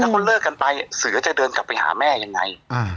เขาเลิกกันไปเสือจะเดินกลับไปหาแม่ยังไง